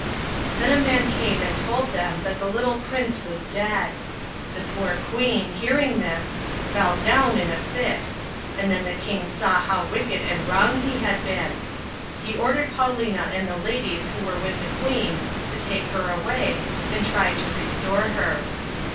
Then a man came and told them that the little prince was dead. The poor Queen, hearing this, fell down in a fit; and then the King saw how wicked and wrong he had been. He ordered Paulina and the ladies who were with the Queen to take her away, and try to re store her.